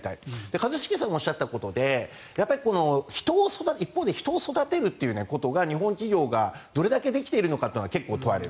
一茂さんがおっしゃったことで人を育てるということが日本企業がどれだけできているかというのが結構問われる。